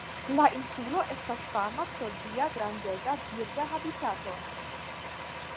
La insulo estas fama pro ĝia grandega birda habitato.